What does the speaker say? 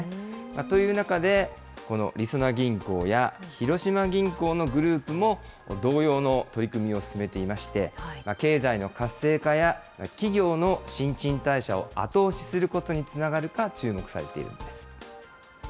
という中で、このりそな銀行や広島銀行のグループも同様の取り組みを進めていまして、経済の活性化や企業の新陳代謝を後押しすることにつながるか注目されているんです。